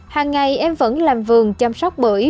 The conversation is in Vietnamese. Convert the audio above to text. hàng ngày em vẫn làm vườn chăm sóc bưởi